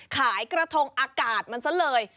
ขายกระทงอากาศมันซะเลย